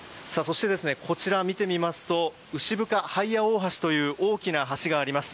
今日は見ていますと牛深ハイヤ大橋という大きな橋があります。